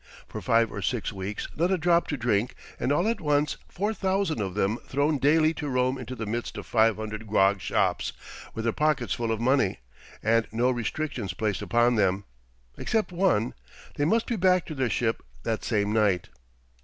For five or six weeks not a drop to drink, and all at once 4,000 of them thrown daily to roam into the midst of 500 grog shops with their pockets full of money, and no restrictions placed upon them, except one: they must be back to their ship that same night!